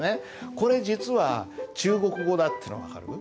これ実は中国語だっていうの分かる？